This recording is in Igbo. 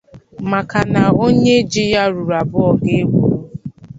maka na onye ji ya ruru abụọ ga-egwuru.